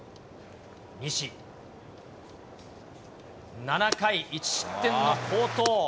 西、７回１失点の好投。